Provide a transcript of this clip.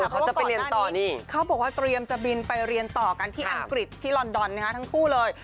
เขาบอกว่าเตรียมจะบินไปเรียนต่อกันที่อังกฤษที่ลอนดอนทั้งคู่เลย